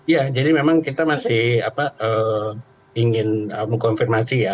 ya jadi memang kita masih ingin mengkonfirmasi ya